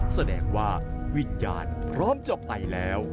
แสดงว่าวิญญาณพร้อมจะไปแล้ว